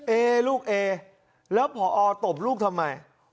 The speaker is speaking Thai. เอลูกเอแล้วผอตบลูกทำไม